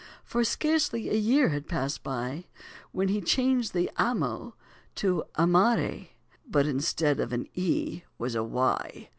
For scarcely a year had passed by, When he changed the "amo" to "amare," But instead of an "e" was a "y."